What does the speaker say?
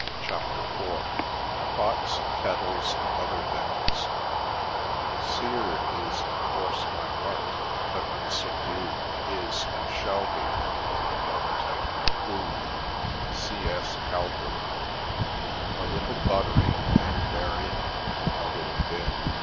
CHAPTER IV potd, ftettlea, an^ ^tbet tCblnne " Seared is, of course, my heart— but unsubdued Is, and shall be, my appetite for food.'* — C. S. Calvbrlby. " A little buttery, and therein A little bin.